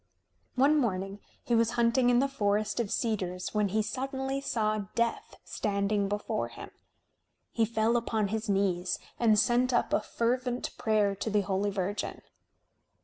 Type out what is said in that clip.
One morning he was hunting in the forest of cedars when he suddenly saw Death standing before him. He fell upon his knees and sent up a fervent prayer to the Holy Virgin.